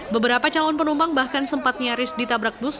beberapa calon penumpang bahkan sempat nyaris ditabrak bus